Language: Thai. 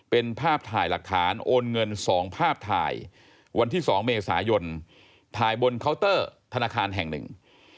เป็นภาพถ่ายหลักฐานโอนเงิน๒ภาพถ่ายวันที่๒เมษายนถ่ายบนเคาน์เตอร์ธนาคารแห่งหนึ่ง